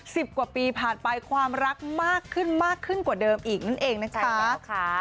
สิบกว่าปีผ่านไปความรักมากขึ้นมากขึ้นกว่าเดิมอีกนั่นเองนะจ๊ะ